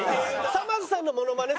さまぁずさんのモノマネ。